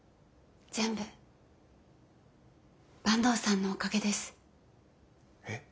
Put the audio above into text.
全部坂東さんのおかげです。え？